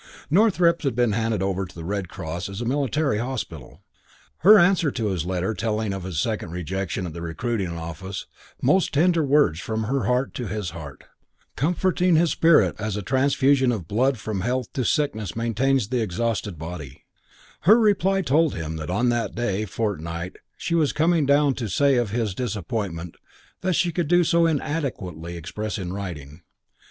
Northrepps had been handed over to the Red Cross as a military hospital. Her answer to his letter telling of his second rejection at the recruiting office most tender words from her heart to his heart, comforting his spirit as transfusion of blood from health to sickness maintains the exhausted body her reply told him that on that day fortnight she was coming down to say of his disappointment what she could so inadequately express in writing.